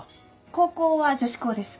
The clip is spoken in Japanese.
高校は女子校です。